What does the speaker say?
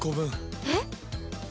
えっ？